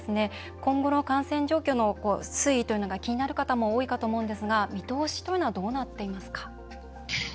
今後の感染状況の推移というのが気になる方も多いかと思うんですが見通しというのはどうなってますか。